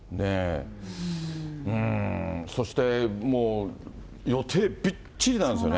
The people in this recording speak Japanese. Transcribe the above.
そしてもう、予定びっちりなんですよね。